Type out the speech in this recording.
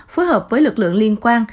phối hợp với lực lượng liên quan